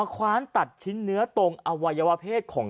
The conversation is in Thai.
ชาวบ้านญาติโปรดแค้นไปดูภาพบรรยากาศขณะ